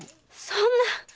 そんな！